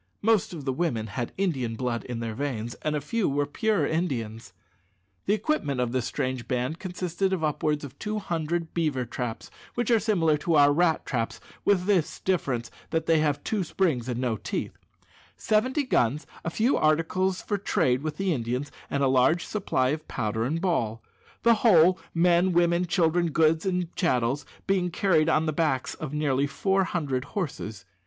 Most of the women had Indian blood in their veins, and a few were pure Indians. The equipment of this strange band consisted of upwards of two hundred beaver traps which are similar to our rat traps, with this difference, that they have two springs and no teeth seventy guns, a few articles for trade with the Indians, and a large supply of powder and ball; the whole men, women, children, goods, and chattels being carried on the backs of nearly four hundred horses.